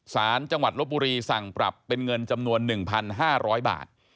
สารจังหวัดลบบุรีสั่งปรับเป็นเงินจำนวน๑๕๐๐บาท